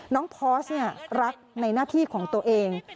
น้องพอร์สเนี่ยรักในหน้าที่ของตัวเอง